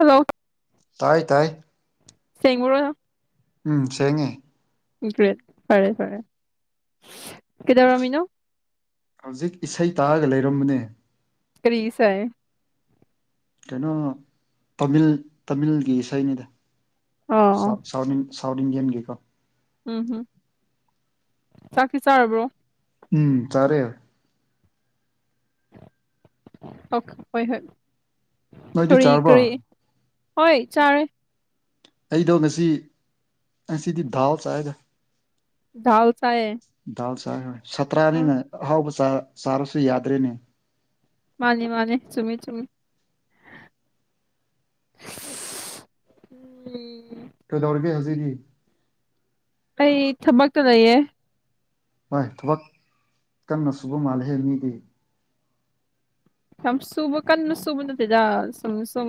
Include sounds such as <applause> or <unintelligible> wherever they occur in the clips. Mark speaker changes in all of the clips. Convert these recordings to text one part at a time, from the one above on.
Speaker 1: hello
Speaker 2: ꯇꯥꯏ ꯇꯥꯏ
Speaker 1: ꯁꯦꯡꯕ꯭ꯔꯣꯅ
Speaker 2: ꯎꯝ ꯁꯦꯡꯉꯦ
Speaker 1: ꯒ꯭ꯔꯦꯠ ꯐꯔꯦ ꯐꯔꯦ ꯀꯩꯗꯧꯔꯝꯃꯤꯅꯣ
Speaker 2: ꯍꯧꯖꯤꯛ ꯏꯁꯩ ꯇꯥꯔꯒ ꯂꯩꯔꯝꯕꯅꯦ
Speaker 1: ꯀꯔꯤ ꯏꯁꯩ
Speaker 2: ꯀꯩꯅꯣ ꯇꯥꯃꯤꯜ ꯇꯥꯃꯤꯜꯒꯤ ꯏꯁꯩꯅꯤꯗ
Speaker 1: ꯑꯣ
Speaker 2: ꯁꯥꯎꯠ ꯁꯥꯎꯠꯏꯟ ꯁꯥꯎꯠ ꯏꯟꯗꯤꯌꯟꯒꯤꯀꯣ
Speaker 1: ꯎꯝꯍꯝ ꯆꯥꯛꯇꯤ ꯆꯥꯔꯕ꯭ꯔꯣ
Speaker 2: ꯎꯝ ꯆꯥꯔꯦ
Speaker 1: ꯑꯣꯛ ꯍꯣꯏ ꯍꯣꯏ
Speaker 2: ꯅꯣꯏꯗꯤ
Speaker 1: ꯀꯔꯤ
Speaker 2: ꯆꯥꯔꯕꯣ
Speaker 1: ꯀꯔꯤ ꯍꯣꯏ ꯆꯥꯔꯦ
Speaker 2: ꯑꯩꯗꯣ ꯉꯁꯤ ꯉꯁꯤꯗꯤ ꯗꯥꯜ ꯆꯥꯏꯗ
Speaker 1: ꯗꯥꯜ ꯆꯥꯏꯌꯦ
Speaker 2: ꯗꯥꯜ ꯆꯥꯏ ꯍꯣꯏ
Speaker 1: ꯎꯝ
Speaker 2: ꯁꯥꯇ꯭ꯔꯥꯅꯤꯅ ꯑꯍꯥꯎꯕ ꯆꯥ ꯆꯥꯔꯁꯨ ꯌꯥꯗ꯭ꯔꯦꯅꯦ
Speaker 1: ꯃꯥꯅꯤ ꯃꯥꯅꯤ ꯆꯨꯝꯃꯤ ꯆꯨꯝꯃꯤ ꯎꯝ
Speaker 2: ꯀꯩꯗꯧꯔꯤꯒꯦ ꯍꯧꯖꯤꯛꯗꯤ
Speaker 1: ꯑꯩ ꯊꯕꯛꯇ ꯂꯩꯌꯦ
Speaker 2: ꯍꯣꯏ ꯊꯕꯛ ꯀꯟꯅ ꯁꯨꯕ ꯃꯥꯜꯂꯦꯍꯦ ꯃꯤꯗꯤ
Speaker 1: ꯌꯥꯝ ꯁꯨꯕ ꯀꯟꯅ ꯁꯨꯕ ꯅꯠꯇꯦꯗ ꯁꯨꯝ ꯁꯨꯝ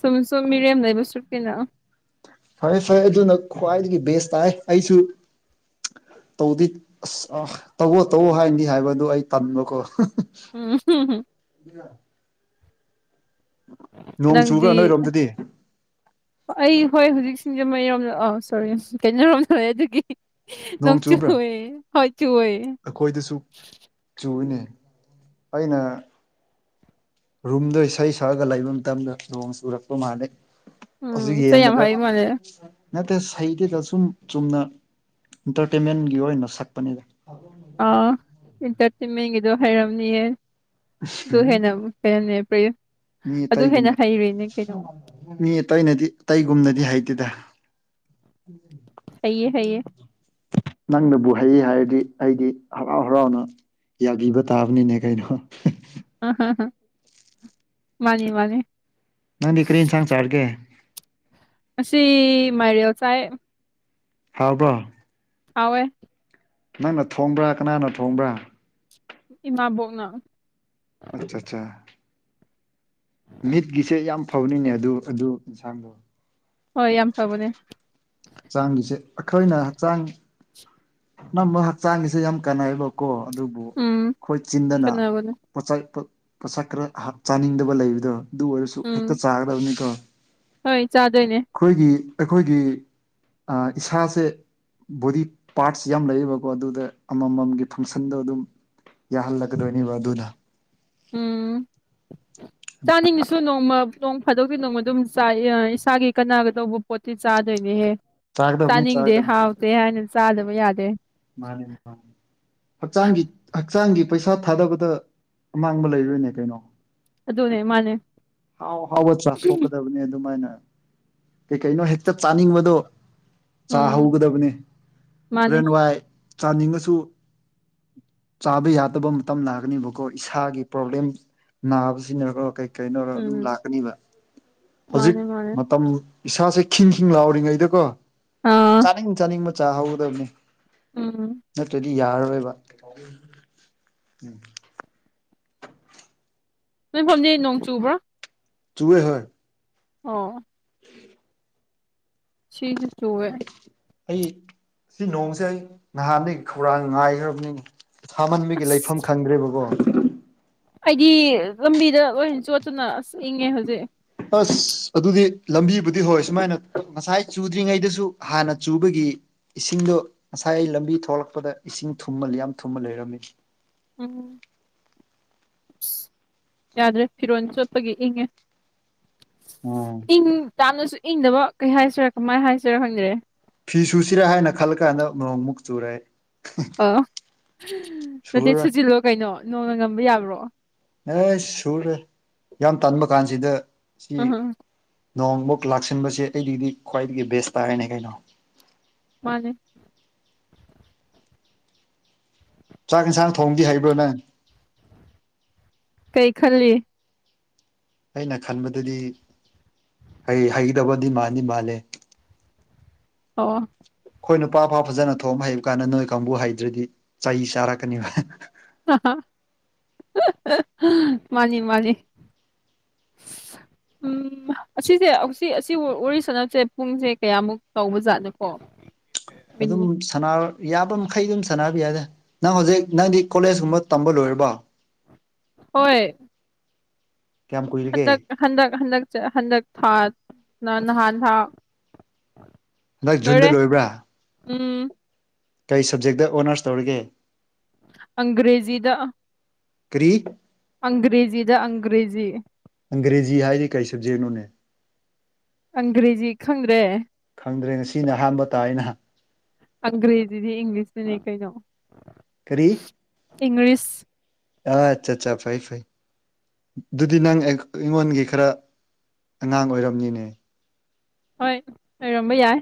Speaker 1: ꯁꯨꯝ ꯁꯨꯝ ꯃꯤꯔꯦꯝ ꯂꯩꯕ ꯁ꯭ꯔꯨꯛ ꯇꯤꯅ
Speaker 2: ꯐꯔꯦ ꯐꯔꯦ ꯑꯗꯨꯅ ꯈ꯭ꯋꯥꯏꯗꯒꯤ ꯕꯦꯁ ꯇꯥꯏ ꯑꯩꯁꯨ ꯇꯧꯗꯤ ꯑꯁ ꯑꯥ ꯇꯧꯋꯣ ꯇꯧꯋꯣ ꯍꯥꯏꯅꯤ ꯍꯥꯏꯕ ꯑꯗꯨ ꯑꯩ ꯇꯟꯕꯀꯣ <unintelligible>
Speaker 1: ꯎꯝ <unintelligible>
Speaker 2: <unintelligible> ꯅꯣꯡ ꯆꯨꯕ꯭ꯔꯥ
Speaker 1: ꯅꯪꯗꯤ ꯑꯦ
Speaker 2: ꯅꯣꯏꯔꯣꯝꯗꯗꯤ
Speaker 1: ꯑ ꯑꯩ ꯍꯣꯏ ꯍꯨꯖꯤꯛ ꯁꯤꯡꯖꯃꯩ ꯔꯣꯝꯗ ꯑꯥ ꯁꯣꯔꯤ ꯀꯩꯅꯣꯔꯣꯝꯗ ꯂꯩ ꯑꯗꯨꯒꯤ ꯅꯣꯡ ꯆꯨꯋꯦ ꯍꯣꯏ ꯆꯨꯋꯦ
Speaker 2: ꯑꯈꯣꯏꯗꯁꯨ ꯆꯨꯢꯅꯦ ꯑꯩꯅ ꯔꯨꯝꯗ ꯏꯁꯩ ꯁꯛꯑꯒ ꯂꯩꯕ ꯃꯇꯝꯗ ꯅꯣꯡ ꯆꯨꯔꯛꯄ ꯃꯥꯥꯜꯂꯦ ꯍꯧꯖꯤꯛ
Speaker 1: ꯎꯝ ꯏꯁꯩ ꯌꯥꯝ
Speaker 2: ꯌꯦꯡꯕꯗ
Speaker 1: ꯍꯩ ꯃꯥꯜꯂꯦ
Speaker 2: ꯅꯠꯇꯦꯁ ꯍꯩꯇꯦꯗ ꯁꯨꯝ ꯆꯨꯝꯅ ꯏꯟꯇꯔꯇꯦꯟꯃꯦꯟꯒꯤ ꯑꯣꯏꯅ ꯁꯛꯄꯅꯤꯗ
Speaker 1: ꯑꯥ ꯏꯟꯇꯔꯇꯦꯟꯃꯦꯟꯒꯤꯗꯣ ꯍꯩꯔꯝꯅꯤꯌꯦ ꯑꯗꯨ
Speaker 2: ꯎꯝ
Speaker 1: ꯍꯦꯟꯅ ꯃꯨ ꯍꯦꯟꯅ ꯄ꯭ꯔꯦꯌꯔ
Speaker 2: ꯃꯤ
Speaker 1: ꯑꯗꯨ ꯍꯦꯟꯅ
Speaker 2: ꯑꯇꯩꯒꯨꯝꯅ
Speaker 1: ꯍꯩꯔꯤꯅꯦ ꯀꯩꯅꯣ
Speaker 2: ꯃꯤ ꯑꯇꯩꯅꯗꯤ ꯑꯇꯩꯒꯨꯝꯅꯗꯤ ꯍꯩꯇꯦꯗ
Speaker 1: ꯍꯩꯌꯦ ꯍꯩꯌꯦ
Speaker 2: ꯅꯪꯅꯕꯨ ꯍꯩ ꯍꯥꯏꯔꯗꯤ ꯑꯩꯗꯤ ꯍꯔꯥꯎ ꯍꯔꯥꯎꯅ ꯌꯥꯕꯤꯕ ꯇꯥꯕꯅꯤꯅꯦ ꯀꯩꯅꯣ <unintelligible>
Speaker 1: <unintelligible> ꯃꯥꯅꯤ ꯃꯥꯅꯤ
Speaker 2: ꯅꯪꯗꯤ ꯀ꯭ꯔꯤ ꯢꯟꯁꯥꯡ ꯆꯥꯔꯒꯦ
Speaker 1: ꯉꯁꯤ ꯃꯥꯏꯔꯦꯜ ꯆꯥꯏꯌꯦ
Speaker 2: ꯍꯥꯎꯕ꯭ꯔꯣ
Speaker 1: ꯍꯥꯎꯋꯦ
Speaker 2: ꯅꯪꯅ ꯊꯣꯡꯕ꯭ꯔꯥ ꯀꯅꯥꯅ ꯊꯣꯡꯕ꯭ꯔꯥ
Speaker 1: ꯏꯃꯥꯕꯣꯛꯅ
Speaker 2: ꯑꯠꯆꯥꯆꯥ ꯃꯤꯠꯀꯤꯁꯦ ꯌꯥꯝ ꯐꯕꯅꯤꯅꯦ ꯑꯗꯨ ꯑꯗꯨ ꯏꯟꯁꯥꯡꯗꯣ
Speaker 1: ꯍꯣꯏ ꯌꯥꯝ ꯐꯕꯅꯦ
Speaker 2: ꯆꯥꯡꯒꯤꯁꯦ ꯑꯩꯈꯣꯏꯅ ꯍꯛꯆꯥꯡ ꯅꯝꯃ ꯍꯛꯆꯥꯡꯒꯤꯁꯦ ꯌꯥꯝ ꯀꯥꯟꯅꯩꯑꯕꯀꯣ ꯑꯗꯨꯕꯨ
Speaker 1: ꯎꯝ
Speaker 2: ꯑꯈꯣꯏ ꯆꯤꯟꯗꯅ
Speaker 1: ꯆꯠꯅꯕꯅꯦ
Speaker 2: ꯄꯣꯠꯆꯩ ꯄꯣꯠ ꯄꯣꯠꯁꯛ ꯈꯔ ꯍꯥꯞ ꯆꯥꯅꯤꯡꯗꯕ ꯂꯩꯕꯗꯨ ꯑꯗꯨ ꯑꯣꯏꯔꯁꯨ ꯍꯦꯛꯇ
Speaker 1: ꯎꯝ
Speaker 2: ꯆꯥꯒꯗꯕꯅꯤꯀꯣ
Speaker 1: ꯍꯣꯏ ꯆꯥꯗꯣꯏꯅꯦ
Speaker 2: ꯑꯈꯣꯏꯒꯤ ꯑꯩꯈꯣꯏꯒꯤ ꯑꯥ ꯏꯁꯥꯁꯦ ꯕꯣꯗꯤ ꯄꯥꯔꯠꯁ ꯌꯥꯝ ꯂꯩꯌꯤꯕꯀꯣ ꯑꯗꯨꯗ ꯑꯃꯝꯃꯝꯒꯤ ꯐꯪꯁꯟꯗꯣ ꯑꯗꯨꯝ ꯌꯥꯍꯜꯂꯛꯀꯗꯣꯏꯅꯦꯕ ꯑꯗꯨꯅ
Speaker 1: ꯎꯝ ꯆꯥꯅꯤꯡꯉꯁꯨ ꯅꯣꯡꯃ ꯅꯣꯡ ꯐꯥꯗꯣꯛꯇꯤ ꯅꯣꯡꯃ ꯑꯗꯨꯝ ꯆꯥꯏꯌꯥꯏ ꯏꯁꯥꯒꯤ ꯀꯅꯥꯒꯗꯧꯕ ꯄꯣꯠꯇꯤ ꯆꯥꯗꯣꯏꯅꯦꯍꯦ
Speaker 2: ꯆꯥꯒꯗꯕꯅꯤ
Speaker 1: ꯆꯥꯅꯤꯡꯗꯦ
Speaker 2: ꯆꯥꯒꯗꯕꯅꯤ
Speaker 1: ꯍꯥꯎꯇꯦ ꯍꯥꯏꯅ ꯆꯥꯗꯕ ꯌꯥꯗꯦ
Speaker 2: ꯃꯥꯅꯦ ꯃꯥꯅ ꯍꯛꯆꯥꯡꯒꯤ ꯍꯛꯆꯥꯡꯒꯤ ꯄꯩꯁꯥ ꯊꯥꯗꯕꯗ ꯑꯃꯥꯡꯕ ꯂꯩꯔꯣꯏꯅꯦ ꯀꯩꯅꯣ
Speaker 1: ꯑꯗꯨꯅꯦ ꯃꯥꯅꯦ
Speaker 2: ꯍꯥꯎ ꯍꯥꯎꯕ ꯆꯥꯊꯣꯛꯀꯗꯕꯅꯦ ꯑꯗꯨꯃꯥꯏꯅ ꯀꯩ ꯀꯩꯅꯣ ꯍꯦꯛꯇ ꯆꯥꯅꯤꯡꯕꯗꯣ
Speaker 1: ꯎꯝ
Speaker 2: ꯆꯥꯍꯧꯒꯗꯕꯅꯦ ꯍꯣꯔꯦꯟ
Speaker 1: ꯃꯥꯅꯦ
Speaker 2: ꯋꯥꯏ ꯆꯥꯅꯤꯡꯉꯁꯨ ꯆꯥꯕ ꯌꯥꯗꯕ ꯃꯇꯝ ꯂꯥꯛꯀꯅꯤꯕꯀꯣ ꯏꯁꯥꯒꯤ ꯄ꯭ꯔꯣꯕ꯭ꯂꯦꯝ ꯅꯥꯕ ꯁꯤꯅꯀꯣ ꯀꯩ ꯀꯩꯅꯣꯔ ꯑꯗꯨꯝ
Speaker 1: ꯎꯝ
Speaker 2: ꯂꯥꯛꯀꯅꯤꯕ ꯍꯧꯖꯤꯛ
Speaker 1: ꯃꯥꯅꯦ ꯃꯥꯅꯦ
Speaker 2: ꯃꯇꯝ ꯏꯁꯥꯁꯦ ꯈꯤꯡ ꯈꯤꯡ ꯂꯥꯎꯔꯤꯉꯩꯗꯀꯣ
Speaker 1: ꯎꯝ
Speaker 2: ꯆꯥꯅꯤꯡ ꯆꯥꯅꯤꯡꯕ ꯆꯥ ꯍꯧꯒꯗꯕꯅꯦ
Speaker 1: ꯎꯝ
Speaker 2: ꯅꯠꯇ꯭ꯔꯗꯤ ꯌꯥꯔꯔꯣꯏꯕ <unintelligible> ꯎꯝ
Speaker 1: ꯅꯣꯏꯐꯝꯖꯤ ꯅꯣꯡ ꯆꯨꯕ꯭ꯔꯥ
Speaker 2: ꯆꯨꯋꯦ ꯍꯣꯏ
Speaker 1: ꯑꯣ
Speaker 2: <unintelligible>
Speaker 1: ꯁꯤꯁꯨ ꯆꯨꯋꯦ
Speaker 2: ꯑꯩ ꯁꯤ ꯅꯣꯡꯁꯦ ꯑꯩ ꯅꯍꯥꯟꯗꯒꯤ ꯈꯧꯔꯥꯡꯅ ꯉꯥꯏꯈ꯭ꯔꯝꯅꯤꯅꯦ ꯁꯥꯃꯟꯕꯒꯤ ꯂꯩꯐꯝ
Speaker 1: ꯑꯁ
Speaker 2: ꯈꯪꯗ꯭ꯔꯦꯕꯀꯣ
Speaker 1: ꯑꯩꯗꯤ ꯂꯝꯕꯤꯗ ꯂꯣꯏ ꯆꯣꯠꯇꯅ ꯑꯁ ꯏꯪꯉꯦ ꯍꯧꯖꯤꯛ
Speaker 2: ꯑꯁ ꯑꯗꯨꯗꯤ ꯂꯝꯕꯤꯕꯨꯗꯤ ꯍꯣꯏ ꯁꯨꯃꯥꯏꯅ ꯉꯁꯥꯏ ꯆꯨꯗ꯭ꯔꯤꯉꯩꯗꯁꯨ ꯍꯥꯟꯅ ꯆꯨꯕꯒꯤ ꯏꯁꯤꯡꯗꯣ ꯉꯁꯥꯏ ꯂꯝꯕꯤ ꯊꯣꯂꯛꯄꯗ ꯏꯁꯤꯡ ꯊꯨꯝꯃ ꯌꯥꯝ ꯊꯨꯝꯃ ꯂꯩꯔꯝꯃꯤ
Speaker 1: ꯎꯝ <unintelligible> ꯌꯥꯗ꯭ꯔꯦ ꯐꯤꯔꯣꯜ ꯆꯣꯠꯄꯒꯤ ꯏꯪꯉꯦ
Speaker 2: ꯎꯝ
Speaker 1: ꯏꯪ ꯇꯥꯅꯁꯨ ꯏꯪꯗꯕ ꯀꯩ ꯍꯥꯏꯁꯤꯔꯥ ꯀꯃꯥꯏ ꯍꯥꯏꯁꯤꯔꯥ ꯈꯪꯗꯔꯦ
Speaker 2: ꯐꯤ ꯁꯨꯁꯤꯔꯥ ꯍꯥꯏꯅ ꯈꯜꯂ ꯀꯥꯟꯗ ꯅꯣꯡꯃꯨꯛ ꯆꯨꯔꯦ <unintelligible>
Speaker 1: ꯑꯣ ꯅꯠꯇꯦ
Speaker 2: ꯁꯨꯔꯔꯣꯏ
Speaker 1: ꯁꯨꯖꯤꯜꯂꯣ ꯀꯩꯅꯣ ꯅꯣꯡꯅ ꯉꯝꯕ ꯌꯥꯕ꯭ꯔꯣ
Speaker 2: ꯑꯦꯁ ꯁꯨꯔꯦ ꯌꯥꯝ ꯇꯟꯕ ꯀꯥꯟꯁꯤꯗ ꯁꯤ
Speaker 1: ꯑꯍ
Speaker 2: ꯅꯣꯡꯃꯨꯛ ꯂꯥꯛꯁꯤꯟꯕꯁꯦ ꯑꯩꯒꯤꯗꯤ ꯈ꯭ꯋꯥꯏꯗꯒꯤ ꯕꯦꯁ ꯇꯥꯔꯦꯅꯦ ꯀꯩꯅꯣ
Speaker 1: ꯃꯥꯅꯦ
Speaker 2: ꯆꯥꯛ ꯏꯟꯁꯥꯡ ꯊꯣꯡꯕꯗꯤ ꯍꯩꯕ꯭ꯔꯣ ꯅꯪ
Speaker 1: ꯀꯩ ꯈꯜꯂꯤ
Speaker 2: ꯑꯩꯅ ꯈꯟꯕꯗꯗꯤ ꯑꯩ ꯍꯩꯒꯗꯧꯕꯗꯤ ꯃꯥꯟꯗꯤ ꯃꯥꯟꯂꯦ
Speaker 1: ꯑꯣ
Speaker 2: ꯈꯣꯏ ꯅꯨꯄꯥ ꯐꯥꯎ ꯐꯖꯅ ꯊꯣꯡꯕ ꯍꯩꯕ ꯀꯥꯟꯗ ꯅꯣꯏ ꯀꯥꯡꯕꯨ ꯍꯩꯇ꯭ꯔꯗꯤ ꯆꯩ ꯆꯥꯔꯛꯀꯅꯤꯕ
Speaker 1: <unintelligible> ꯃꯥꯅꯤ ꯃꯥꯅꯤ
Speaker 2: <inaudible>
Speaker 1: ꯎꯝ ꯑꯁꯤꯁꯦ ꯍꯧꯁꯤ ꯑꯁꯤ ꯋꯥꯔꯤ ꯁꯥꯟꯅꯕꯁꯦ ꯄꯨꯡꯁꯦ ꯀꯌꯥꯃꯨꯛ ꯇꯧꯕ ꯖꯥꯠꯅꯣꯀꯣ
Speaker 2: ꯑꯗꯨꯝ ꯁꯥꯟꯅꯕ ꯌꯥꯕ ꯃꯈꯩ ꯑꯗꯨꯝ ꯁꯥꯟꯅꯕ ꯌꯥꯏꯗ ꯅꯪ ꯍꯧꯖꯤꯛ ꯅꯪꯗꯤ ꯀꯣꯂꯦꯖꯀꯨꯝꯕ ꯇꯝꯕ ꯂꯣꯏꯔꯕꯣ <inaudible>
Speaker 1: ꯍꯣꯏ
Speaker 2: ꯀꯌꯥꯝ ꯀꯨꯏꯔꯒꯦ
Speaker 1: ꯍꯟꯗꯛ ꯍꯟꯗꯛ ꯍꯟꯗꯛ ꯆ ꯍꯟꯗꯛ ꯊꯥ ꯅ ꯅꯍꯥꯟ ꯊꯥ
Speaker 2: ꯍꯟꯗꯛ ꯖꯨꯟꯗ
Speaker 1: ꯂꯣꯏꯔꯦ
Speaker 2: ꯂꯣꯏꯕ꯭ꯔꯥ
Speaker 1: ꯎꯝ
Speaker 2: ꯀꯩ ꯁꯕꯖꯦꯛꯇ ꯑꯣꯅꯔꯁ ꯇꯧꯔꯤꯒꯦ
Speaker 1: ꯑꯪꯒ꯭ꯔꯦꯖꯤꯗ
Speaker 2: ꯀꯔꯤ
Speaker 1: ꯑꯪꯒ꯭ꯔꯦꯖꯤꯗ ꯑꯪꯒ꯭ꯔꯦꯖꯤ
Speaker 2: ꯑꯪꯒ꯭ꯔꯦꯖꯤ ꯍꯥꯏꯗꯤ ꯀꯩ ꯁꯕꯖꯦꯛꯅꯣꯅꯦ
Speaker 1: ꯑꯪꯒ꯭ꯔꯦꯖꯤ ꯈꯪꯗ꯭ꯔꯦ
Speaker 2: ꯈꯪꯗ꯭ꯔꯦ ꯉꯁꯤꯅ ꯑꯍꯥꯟꯕ ꯇꯥꯏꯅꯥ
Speaker 1: ꯑꯪꯒ꯭ꯔꯦꯖꯤꯗꯤ ꯏꯪꯂꯤꯁꯅꯤꯅꯦ ꯀꯩꯅꯣ
Speaker 2: ꯀꯔꯤ
Speaker 1: ꯏꯪꯂꯤꯁ
Speaker 2: ꯑꯥ ꯑꯠꯆꯥ ꯆꯥ ꯐꯩ ꯐꯩ ꯑꯗꯨꯗꯤ ꯅꯪ ꯑꯩ ꯑꯩꯉꯣꯟꯒꯤ ꯈꯔ ꯑꯉꯥꯡ ꯑꯣꯏꯔꯝꯅꯤꯅꯦ
Speaker 1: ꯍꯣꯏ ꯑꯣꯏꯔꯝꯕ ꯌꯥꯏ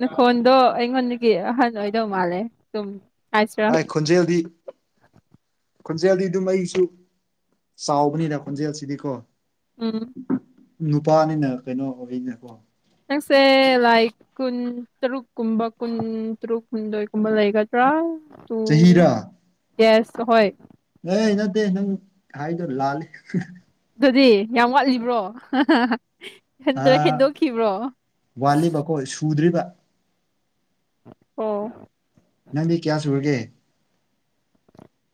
Speaker 1: ꯅꯈꯣꯟꯗꯣ ꯑꯩꯉꯣꯟꯗꯒꯤ ꯑꯍꯟ ꯑꯣꯏꯗꯧ ꯃꯥꯜꯂꯦ ꯍꯥꯏꯁꯤꯔꯥ
Speaker 2: ꯑꯩ ꯈꯣꯟꯖꯦꯜꯗꯤ ꯈꯣꯟꯖꯦꯜꯗꯤ ꯗꯨꯝ ꯑꯩꯁꯨ ꯆꯥꯎꯕꯅꯤꯅ ꯈꯣꯟꯖꯦꯜꯁꯤꯗꯤꯀꯣ
Speaker 1: ꯎꯝ
Speaker 2: ꯅꯨꯄꯥꯅꯤꯅ ꯀꯩꯅꯣ ꯑꯣꯏꯅꯦꯀꯣ
Speaker 1: ꯅꯪꯁꯦ ꯂꯥꯏꯛ ꯀꯨꯟ ꯇꯔꯨꯛ ꯀꯨꯝꯕ ꯀꯨꯟ ꯇꯔꯨꯛ ꯍꯨꯝꯗꯣꯏꯒꯨꯝꯕ ꯂꯩꯒꯗ꯭ꯔꯥ ꯎꯝ
Speaker 2: ꯆꯍꯤꯔꯥ
Speaker 1: ꯌꯦꯁ ꯍꯣꯏ
Speaker 2: <unintelligible> ꯅꯠꯇꯦ ꯅꯪ ꯍꯥꯏꯗꯣ ꯂꯥꯜꯂꯤ
Speaker 1: ꯗꯨꯗꯤ ꯌꯥꯝ ꯋꯥꯠꯂꯤꯕ꯭ꯔꯣ <unintelligible> ꯑꯗꯨꯗꯨꯒ ꯍꯦꯟꯗꯣꯛꯈꯤꯕ꯭ꯔꯣ
Speaker 2: ꯍꯣꯏ ꯁꯨꯗ꯭ꯔꯤꯕꯥ
Speaker 1: ꯑꯣ
Speaker 2: ꯅꯪꯗꯤ ꯀꯌꯥ ꯁꯨꯔꯒꯦ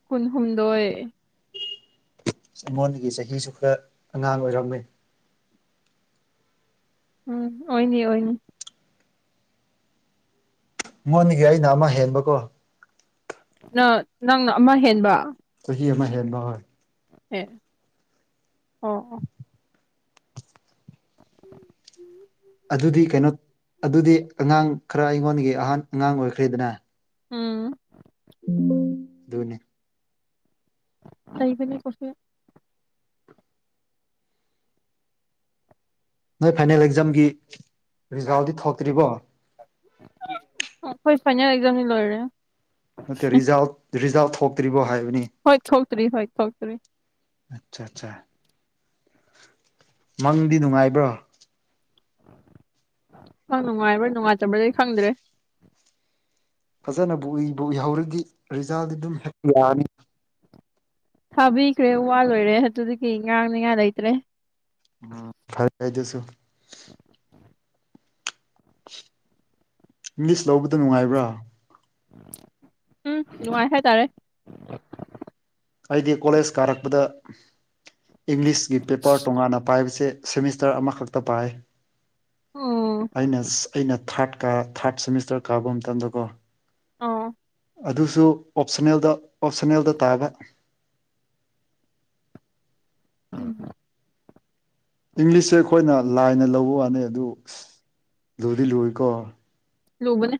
Speaker 1: ꯀꯨꯟꯍꯨꯝꯗꯣꯏ
Speaker 2: ꯑꯩꯉꯣꯟꯗꯒꯤ ꯆꯍꯤꯁꯨ ꯈꯔ ꯑꯉꯥꯡ ꯑꯣꯏꯔꯝꯃꯦ
Speaker 1: ꯎꯝ ꯑꯣꯏꯅꯤ ꯑꯣꯏꯅꯤ
Speaker 2: ꯅꯉꯣꯟꯗꯒꯤ ꯑꯩꯅ ꯑꯃ ꯍꯦꯟꯕꯀꯣ
Speaker 1: ꯅꯪ ꯅꯪꯅ ꯑꯃ ꯍꯦꯟꯕ
Speaker 2: ꯆꯍꯤ ꯑꯃ ꯍꯦꯟꯕ ꯍꯣꯏ
Speaker 1: ꯑꯦ ꯑꯣ ꯑꯣ
Speaker 2: ꯑꯗꯨꯗꯤ ꯀꯩꯅꯣ ꯑꯗꯨꯗꯤ ꯑꯉꯥꯡ ꯈꯔ ꯑꯩꯉꯣꯟꯒꯤ ꯑꯍꯥꯟ ꯑꯉꯥꯡ ꯑꯣꯏꯈ꯭ꯔꯦꯗꯅ
Speaker 1: ꯎꯝ
Speaker 2: ꯗꯨꯅꯤ
Speaker 1: <unintelligible>
Speaker 2: ꯅꯣꯏ ꯐꯥꯏꯅꯦꯜ ꯑꯦꯛꯖꯥꯝꯒꯤ ꯔꯤꯖꯥꯜꯗꯤ ꯊꯣꯛꯇ꯭ꯔꯤꯕꯣ
Speaker 1: ꯑꯈꯣꯏ ꯐꯥꯏꯅꯦꯜ ꯑꯦꯛꯖꯥꯝꯗꯤ ꯂꯣꯏꯔꯦ
Speaker 2: ꯅꯠꯇꯦ ꯔꯤꯖꯜ ꯔꯤꯖꯥꯜꯠ ꯊꯣꯛꯇ꯭ꯔꯤꯕꯣ ꯍꯥꯏꯕꯅꯤ
Speaker 1: ꯍꯣꯏ ꯊꯣꯛꯇ꯭ꯔꯤ ꯍꯣꯏ ꯊꯣꯛꯇ꯭ꯔꯤ
Speaker 2: ꯑꯆꯥ ꯑꯆꯥ ꯃꯪꯗꯤ ꯅꯨꯡꯉꯥꯏꯕ꯭ꯔꯣ
Speaker 1: ꯃꯪ ꯅꯨꯡꯉꯥꯏꯕ꯭ꯔꯥ ꯅꯨꯡꯉꯥꯏꯇꯕ꯭ꯔꯗꯤ ꯈꯪꯗ꯭ꯔꯦ
Speaker 2: ꯐꯖꯟꯅꯕꯨꯏ ꯏꯕꯨ ꯏꯍꯧꯔꯗꯤ ꯔꯤꯖꯥꯜꯗꯤ ꯑꯗꯨꯝ ꯍꯦꯛ ꯌꯥꯔꯅꯤ
Speaker 1: ꯊꯥꯕꯤꯈ꯭ꯔꯦ ꯋꯥ ꯂꯣꯏꯔꯦ ꯑꯗꯨꯗꯒꯤ ꯉꯥꯡꯅꯤꯉꯥꯏ ꯂꯩꯇ꯭ꯔꯦ
Speaker 2: ꯎꯝ ꯐꯔ ꯍꯥꯏꯗꯨꯁꯨ ꯥꯃꯤꯁ ꯂꯧꯕꯗꯨ ꯅꯨꯡꯉꯥꯏꯕ꯭ꯔꯥ
Speaker 1: ꯎꯝ ꯅꯨꯡꯉꯥꯏ ꯍꯥꯏꯇꯥꯔꯦ
Speaker 2: ꯑꯩꯗꯤ ꯀꯣꯂꯦꯖ ꯀꯥꯔꯛꯄꯗ ꯏꯪꯂꯤꯁꯀꯤ ꯄꯦꯄ꯭ꯔ ꯇꯣꯉꯥꯟꯅ ꯄꯥꯏꯕꯁꯦ ꯁꯦꯃꯤꯁꯇ꯭ꯔ ꯑꯃꯈꯛꯇ ꯄꯥꯏ
Speaker 1: ꯎꯝ
Speaker 2: ꯑꯩꯅ ꯑꯩꯅ ꯊꯥꯔꯠ ꯀꯥ ꯊꯥꯔꯠ ꯁꯦꯃꯤꯁꯇ꯭ꯔ ꯀꯥꯕ ꯃꯇꯝꯗꯀꯣ
Speaker 1: ꯑꯥ
Speaker 2: ꯑꯗꯨꯁꯨ ꯑꯣꯞꯁꯟꯅꯜꯗ ꯑꯣꯞꯁꯟꯅꯦꯜꯗ ꯇꯥꯕ
Speaker 1: ꯎꯝ
Speaker 2: ꯏꯪꯂꯤꯁꯁꯦ ꯑꯈꯣꯏꯅ ꯂꯥꯏꯅ ꯂꯧꯕ ꯋꯥꯅꯤ ꯑꯗꯨ ꯂꯨꯗꯤ ꯂꯨꯏꯀꯣ
Speaker 1: ꯂꯨꯕꯅꯦ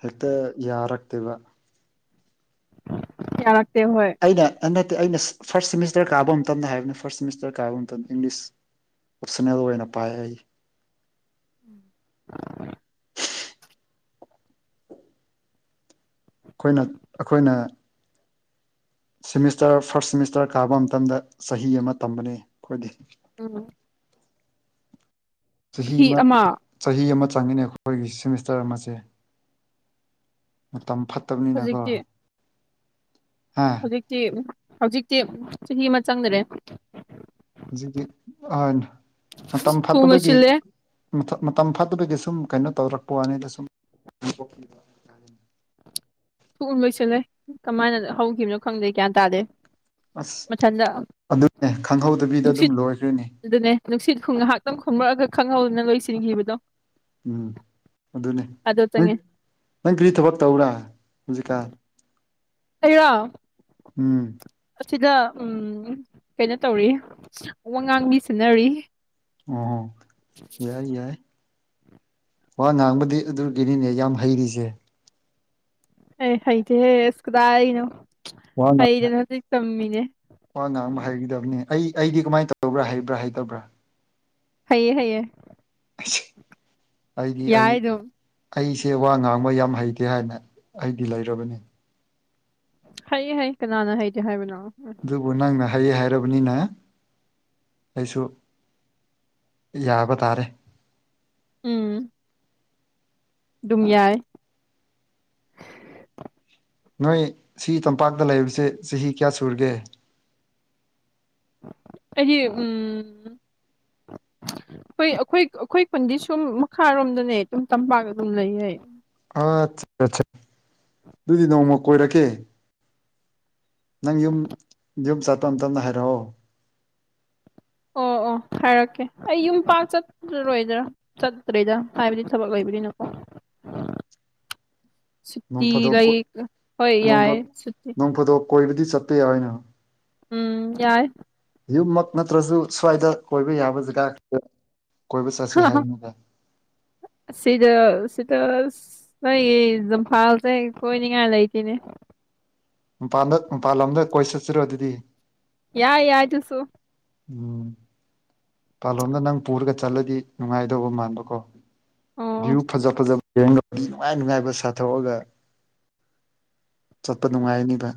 Speaker 2: ꯍꯦꯛꯇ ꯌꯥꯔꯛꯇꯦꯕ
Speaker 1: ꯌꯥꯔꯛꯇꯦ ꯍꯣꯏ
Speaker 2: ꯑꯩꯅ ꯅꯠꯇꯦ ꯑꯩꯅ ꯐꯥꯔꯁꯠ ꯁꯦꯃꯤꯁꯇꯔ ꯀꯥꯕ ꯃꯇꯝꯗ ꯍꯥꯏꯕꯅꯤ ꯐꯥꯔꯠ ꯁꯦꯃꯤꯁꯇꯔ ꯀꯥꯕ ꯃꯇꯝꯗ ꯏꯪꯂꯤꯁ ꯑꯣꯞꯁꯅꯦꯜ ꯑꯣꯏꯅ ꯄꯥꯏ ꯑꯩ
Speaker 1: <unintelligible>
Speaker 2: ꯑꯈꯣꯏꯅ ꯑꯩꯈꯣꯏꯅ ꯁꯤꯃꯤꯁꯇ꯭ꯔ ꯐꯥꯔꯁꯠ ꯁꯤꯃꯤꯁꯇ꯭ꯔ ꯀꯥꯕ ꯃꯇꯝꯗ ꯆꯍꯤ ꯑꯃ ꯇꯝꯕꯅꯦ ꯈꯣꯏꯗꯤ
Speaker 1: ꯎꯝ
Speaker 2: ꯆꯍꯤ ꯑꯃ ꯆꯍꯤ ꯑꯃ ꯆꯪꯉꯤꯅꯤ ꯑꯈꯣꯏꯒꯤ ꯁꯦꯃꯤꯁꯇꯔ ꯑꯃꯁꯦ ꯃꯇꯝ ꯐꯠꯇꯕꯅꯤꯅꯀꯣ
Speaker 1: ꯍꯧꯖꯤꯛꯇꯤ
Speaker 2: ꯍꯥ
Speaker 1: ꯍꯧꯖꯤꯛꯇꯤ ꯍꯧꯖꯤꯛꯇꯤ ꯆꯍꯤ ꯑꯃ ꯆꯪꯗꯔꯦ
Speaker 2: ꯍꯧꯖꯤꯛꯀꯤ ꯑ ꯃꯇꯝ
Speaker 1: ꯊꯨ
Speaker 2: ꯐꯠꯇꯕꯒꯤ
Speaker 1: ꯂꯣꯏꯁꯤꯜꯂꯦ
Speaker 2: ꯃꯥ ꯃꯇꯝ ꯐꯥꯠꯇꯕꯒꯤ ꯁꯨꯝ ꯀꯩꯅꯣ ꯇꯧꯔꯛꯄ ꯋꯥꯅꯤꯗ ꯁꯨꯝ
Speaker 1: ꯊꯣꯡ ꯂꯣꯏꯁꯜꯂꯦ ꯀꯃꯥꯏꯅ ꯍꯧꯈꯤꯕꯅꯣ ꯈꯪꯗꯦ ꯒ꯭ꯌꯥꯟ ꯇꯥꯗꯦ
Speaker 2: ꯑꯁ
Speaker 1: ꯃꯊꯟꯗ
Speaker 2: ꯑꯗꯨꯅꯦ ꯈꯪꯍꯧꯗꯕꯤꯗ ꯑꯗꯨꯝ
Speaker 1: ꯅꯨꯡꯁꯤꯠ
Speaker 2: ꯂꯣꯏꯈ꯭ꯔꯦꯅꯦ
Speaker 1: ꯑꯗꯨꯅꯦ ꯅꯨꯡꯁꯤꯠ ꯍꯨꯝ ꯉꯥꯏꯍꯥꯛꯇꯪ ꯈꯨꯝꯔꯛꯑꯒ ꯈꯪꯍꯧꯗꯅ ꯂꯣꯏꯁꯤꯟꯈꯤꯕꯗꯣ
Speaker 2: ꯎꯝ ꯑꯗꯨꯅꯦ
Speaker 1: ꯑꯗꯣ
Speaker 2: ꯅꯪ
Speaker 1: ꯆꯪꯉꯦ
Speaker 2: ꯅꯪ ꯀꯔꯤ ꯊꯕꯛ ꯇꯧꯕꯔꯥ ꯍꯧꯖꯤꯛꯀꯥꯟ
Speaker 1: ꯑꯩꯔꯣ
Speaker 2: ꯎꯝ
Speaker 1: ꯑꯁꯤꯗ ꯎꯝ ꯀꯩꯅꯣ ꯇꯧꯔꯤ ꯋꯥ ꯉꯥꯡꯕꯤ ꯁꯟꯅꯔꯤ
Speaker 2: ꯑꯥ ꯌꯥꯏꯌꯥꯏ ꯋꯥ ꯉꯥꯡꯕꯗꯤ ꯑꯗꯨꯒꯤꯅꯤꯅꯦ ꯌꯥꯝ ꯍꯩꯔꯤꯁꯦ
Speaker 1: ꯑꯩ ꯍꯩꯇꯦꯍꯦ ꯑꯁ ꯀꯗꯥꯏꯅꯣ
Speaker 2: ꯋꯥ
Speaker 1: ꯍꯩꯗꯅ ꯍꯧꯖꯤꯛ ꯇꯝꯃꯤꯅꯦ
Speaker 2: ꯋꯥ ꯉꯥꯡꯕ ꯍꯩꯒꯗꯕꯅꯤ ꯑꯩ ꯑꯩꯗꯤ ꯀꯃꯥꯏꯅ ꯇꯧꯕ꯭ꯔꯥ ꯍꯩꯕ꯭ꯔꯥ ꯍꯩꯇꯕ꯭ꯔꯥ
Speaker 1: ꯍꯩꯌꯦ ꯍꯩꯌꯦ
Speaker 2: ꯑꯩꯗꯤ ꯑꯩ
Speaker 1: ꯌꯥꯏ ꯑꯗꯨꯝ
Speaker 2: ꯑꯩꯁꯦ ꯋꯥ ꯉꯥꯡꯕ ꯌꯥꯝ ꯍꯩꯇꯦ ꯍꯥꯏꯅ ꯑꯩꯗꯤ ꯂꯩꯔꯕꯅꯤ
Speaker 1: ꯍꯩꯌꯦ ꯍꯩ ꯀꯅꯥꯅ ꯍꯩꯇꯦ ꯍꯥꯏꯕꯅꯣ
Speaker 2: ꯑꯗꯨꯕꯨ ꯅꯪꯅ ꯍꯩꯌꯦ ꯍꯥꯏꯔꯕꯅꯤꯅ ꯑꯩꯁꯨ ꯌꯥꯕ ꯇꯥꯔꯦ
Speaker 1: ꯎꯝ ꯗꯨꯝ ꯌꯥꯥꯏ
Speaker 2: ꯅꯣꯏ ꯁꯤ ꯇꯝꯄꯥꯛꯇ ꯂꯩꯕꯁꯦ ꯆꯍꯤ ꯀꯌꯥ ꯁꯨꯔꯒꯦ
Speaker 1: ꯑꯩꯗꯤ ꯎꯝ ꯈꯣꯏ ꯑꯩꯈꯣꯏ ꯑꯩꯈꯣꯏ ꯄꯟꯗꯤ ꯁꯨꯝ ꯃꯈꯥꯔꯣꯝꯗꯅꯦ ꯇꯨꯝ ꯇꯝꯄꯥꯛ ꯑꯗꯨꯝ ꯂꯩꯌꯦ
Speaker 2: ꯑꯥꯠ ꯆꯠ ꯆꯠ ꯑꯗꯨꯗꯤ ꯅꯣꯡꯃ ꯀꯣꯏꯔꯛꯀꯦ ꯅꯪ ꯌꯨꯝ ꯌꯨꯝ ꯆꯠꯄ ꯃꯇꯝꯗ ꯍꯥꯏꯔꯛꯑꯣ
Speaker 1: ꯑꯣ ꯑꯣ ꯍꯥꯏꯔꯛꯀꯦ ꯑꯩ ꯌꯨꯝ ꯄꯥꯛ ꯆꯠꯂꯔꯣꯏꯗ꯭ꯔꯥ ꯆꯠꯇ꯭ꯔꯦꯗ ꯍꯥꯏꯕꯗꯤ ꯊꯕꯛ ꯂꯩꯕꯗꯤ ꯅꯀꯣ
Speaker 2: <inaudible>
Speaker 1: ꯁꯨꯇꯤ
Speaker 2: ꯅꯣꯡꯐꯥꯗꯣꯛ
Speaker 1: ꯂꯩ
Speaker 2: ꯀꯣꯏ
Speaker 1: ꯍꯣꯏ
Speaker 2: ꯅꯣꯡꯐꯥ
Speaker 1: ꯌꯥꯏ ꯁꯨꯇꯤ
Speaker 2: ꯅꯣꯡꯐꯥꯗꯣꯛ ꯀꯣꯏꯕꯗꯤ ꯆꯠꯄ ꯌꯥꯏꯅ
Speaker 1: ꯎꯝ ꯌꯥꯏ
Speaker 2: ꯌꯨꯝꯃꯛ ꯅꯠꯇ꯭ꯔꯁꯨ ꯁ꯭ꯋꯥꯏꯗ ꯀꯣꯏꯕ ꯌꯥꯕ ꯖꯒꯥꯗ ꯀꯣꯏꯕ ꯆꯠꯁꯤ ꯍꯥꯏꯕꯅꯤꯗ
Speaker 1: ꯁꯤꯗ ꯁꯤꯗꯁ ꯅꯣꯏꯒꯤ ꯖꯝꯐꯥꯜꯁꯦ ꯀꯣꯏꯅꯤꯡꯉꯥꯏ ꯂꯩꯇꯦꯅꯦ
Speaker 2: ꯃꯄꯥꯟꯗ ꯃꯄꯥꯟ ꯂꯣꯝꯗ ꯀꯣꯏ ꯆꯠꯁꯤꯔꯣ ꯑꯗꯨꯗꯤ
Speaker 1: ꯌꯥꯏ ꯌꯥꯏ ꯗꯨꯁꯨ
Speaker 2: ꯎꯝ ꯄꯥꯂꯣꯝꯗ ꯅꯪ ꯄꯨꯔꯒ ꯆꯠꯂꯗꯤ ꯅꯨꯡꯉꯥꯏꯗꯧꯕ ꯃꯥꯟꯕꯀꯣ
Speaker 1: ꯑꯣ
Speaker 2: ꯚ꯭ꯌꯨ ꯐꯖ ꯐꯖꯕ ꯌꯦꯡꯒꯗꯤ ꯅꯨꯡꯉꯥꯏ ꯅꯨꯡꯉꯥꯏꯕ ꯁꯥꯊꯣꯛꯑꯒ ꯆꯠꯄ ꯅꯨꯡꯉꯥꯏꯅꯤꯕ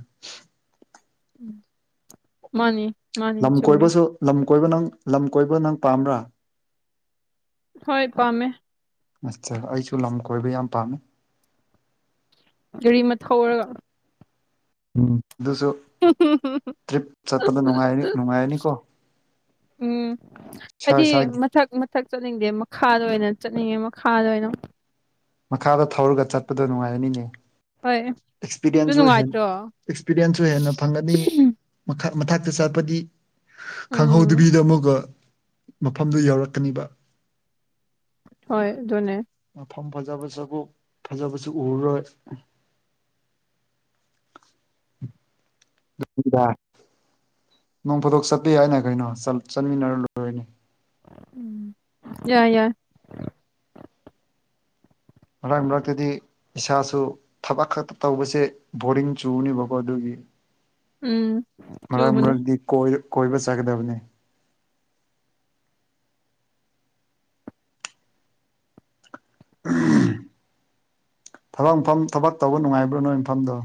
Speaker 1: ꯃꯥꯅꯤ ꯃꯥꯅꯤ
Speaker 2: ꯂꯝ
Speaker 1: ꯆꯨꯝꯃꯤ
Speaker 2: ꯀꯣꯏꯕꯁꯨ ꯂꯝ ꯀꯣꯏꯕ ꯅꯪ ꯂꯝ ꯀꯣꯏꯕ ꯅꯪ ꯄꯥꯝꯕ꯭ꯔꯥ
Speaker 1: ꯍꯣꯏ ꯄꯥꯝꯃꯦ
Speaker 2: ꯑꯠꯆꯥ ꯑꯩꯁꯨ ꯂꯝ ꯀꯣꯏꯕ ꯌꯥꯝ ꯄꯥꯝꯃꯦ
Speaker 1: ꯒꯥꯔꯤ ꯑꯃ ꯊꯧꯔꯒ
Speaker 2: ꯎꯝ ꯑꯗꯨꯁꯨ ꯇ꯭ꯔꯤꯞ ꯆꯠꯄꯗ ꯅꯨꯡꯉꯥꯏꯔꯤ ꯅꯨꯡꯉꯥꯏꯔꯅꯤꯀꯣ
Speaker 1: ꯎꯝ
Speaker 2: ꯏꯁꯥ
Speaker 1: ꯑꯗꯤ
Speaker 2: ꯏꯁꯥꯒꯤ
Speaker 1: ꯃ ꯊꯛ ꯆꯠꯅꯤꯡꯗꯦ ꯃꯈꯥꯗ ꯑꯣꯏꯅ ꯆꯠꯅꯤꯡꯉꯦ ꯃꯈꯥꯗ ꯑꯣꯏꯅ
Speaker 2: ꯃꯈꯥꯗ ꯊꯧꯔꯒ ꯆꯠꯄꯗꯣ ꯅꯨꯡꯉꯥꯏꯔꯅꯤꯅꯦ
Speaker 1: ꯍꯣꯏ ꯑꯗꯨ
Speaker 2: ꯑꯦꯛꯁꯄꯤꯔꯤꯌꯦꯟꯁꯁꯨ ꯍꯦꯟ
Speaker 1: ꯅꯨꯡꯉꯥꯏꯇ꯭ꯔꯣ
Speaker 2: ꯑꯦꯛꯁꯄꯤꯔꯤꯌꯦꯟꯁꯁꯨ ꯍꯦꯟꯅ ꯐꯪꯒꯅꯤ ꯃꯈ ꯃꯊꯛꯇ ꯆꯠꯄꯗꯤ
Speaker 1: ꯎꯝ
Speaker 2: ꯈꯪꯍꯧꯗꯕꯤꯗ ꯑꯃꯨꯛꯀ ꯃꯐꯝꯗꯨ ꯌꯧꯔꯛꯀꯅꯤꯕ
Speaker 1: ꯍꯣꯏ ꯑꯗꯨꯅꯦ
Speaker 2: ꯃꯐꯝ ꯐꯖꯕ ꯁꯨꯒꯨ ꯐꯖꯕꯁꯨ ꯎꯔꯔꯣꯏ <unintelligible> ꯅꯣꯡ ꯐꯥꯗꯣꯛ ꯆꯠꯄ ꯌꯥꯏꯅ ꯀꯩꯅꯣ ꯆꯜ ꯆꯠꯃꯤꯟꯅꯔꯨ ꯂꯣꯏꯔꯦꯅꯦ
Speaker 1: ꯎꯝ ꯌꯥꯏ ꯌꯥꯏ
Speaker 2: ꯃꯔꯛ ꯃꯔꯛ ꯇꯗꯤ ꯏꯁꯥꯁꯨ ꯊꯕꯛ ꯈꯛꯇ ꯇꯧꯕꯁꯦ ꯕꯣꯔꯤꯡ ꯆꯨꯅꯤꯕꯀꯣ ꯑꯗꯨꯒꯤ
Speaker 1: ꯎꯝ
Speaker 2: ꯃꯔꯛ
Speaker 1: ꯆꯨꯕꯅꯦ
Speaker 2: ꯃꯔꯛꯗꯤ ꯀꯣꯏ ꯀꯣꯏꯕ ꯆꯠꯒꯗꯧꯕꯅꯦ ꯎꯝ ꯊꯕꯛ ꯃꯐꯝ ꯊꯕꯛ ꯇꯧꯕ ꯅꯨꯡꯉꯥꯏꯕ꯭ꯔꯣ ꯅꯣꯏ ꯃꯐꯝꯗꯣ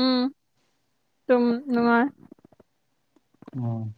Speaker 1: ꯎꯝ ꯇꯨꯝ ꯅꯨꯡꯉꯥꯏ
Speaker 2: ꯑꯣ